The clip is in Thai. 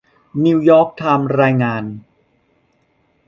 นิวยอร์กไทม์รายงาน